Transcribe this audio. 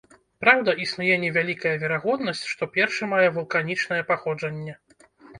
Праўда, існуе невялікая верагоднасць, што першы мае вулканічнае паходжанне.